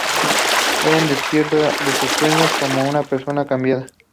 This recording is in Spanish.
Eden despierta de sus sueños como una persona cambiada.